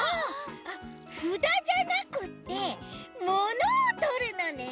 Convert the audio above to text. ふだじゃなくてものをとるのね！